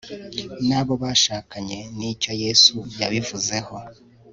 n'abo bashakanye n'icyo yesu yabivuzeho